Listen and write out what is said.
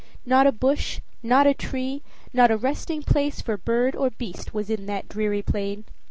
Not a bush not a tree not a resting place for bird or beast was in that dreary plain.